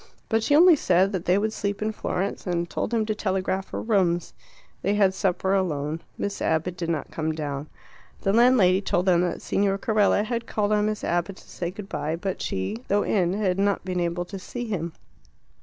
But she only said that they would sleep in Florence, and told him to telegraph for rooms. They had supper alone. Miss Abbott did not come down. The landlady told them that Signor Carella had called on Miss Abbott to say good bye, but she, though in, had not been able to see him.